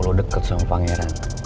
gue tau lu deket sama pangeran